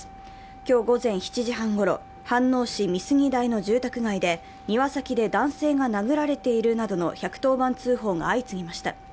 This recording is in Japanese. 今日午前７時半ごろ、飯能市美杉台の住宅街で、庭先で男性が殴られているなどの１１０番通報が相次ぎました。